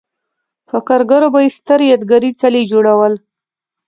په کارګرو به یې ستر یادګاري څلي جوړول